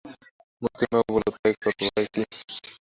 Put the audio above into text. মোতির মা বললে, তাই করব, ভয় কী?